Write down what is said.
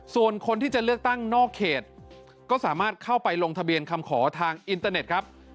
ส่วนคนที่จะเลือกตั้งนอกเขตก็สามารถเข้าไปลงทะเบียนคำขอทางอินเตอร์เน็ตครับ